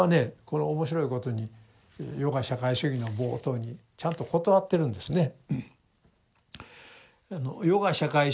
この面白いことに「余が社会主義」の冒頭にちゃんと断ってるんですね。